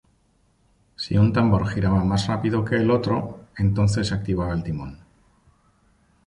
Si un tambor giraba más rápido que el otro, entonces se accionaba el timón.